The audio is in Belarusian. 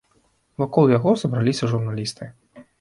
Вакол яго сабраліся журналісты.